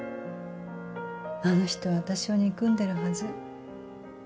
あの人は私を憎んでるはず。